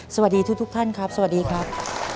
สวัสดีทุกท่านครับสวัสดีครับ